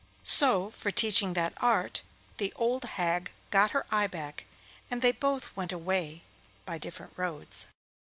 So, for teaching that art, the old hag got her eye back, and they both went away by different roads.